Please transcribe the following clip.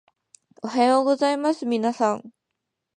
おはようございますみなさん